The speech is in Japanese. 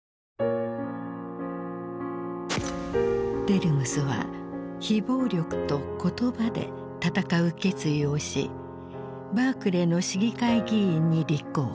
デルムスは非暴力と言葉で闘う決意をしバークレーの市議会議員に立候補。